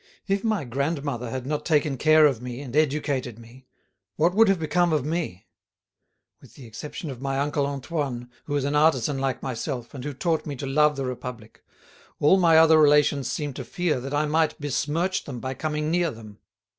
"If my grandmother had not taken care of me and educated me, what would have become of me? With the exception of my Uncle Antoine, who is an artisan like myself, and who taught me to love the Republic, all my other relations seem to fear that I might besmirch them by coming near them."